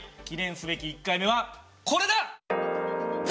記念すべき１回目はこれだ！